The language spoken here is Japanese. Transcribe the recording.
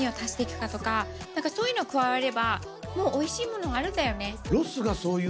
そういうの加わればもうおいしいものはあるんだよね。